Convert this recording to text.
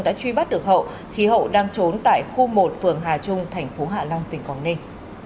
đã truy bắt được hậu khi hậu đang trốn tại khu một phường hà trung thành phố hạ long tỉnh quảng ninh